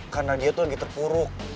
karena dia tuh lagi terpuruk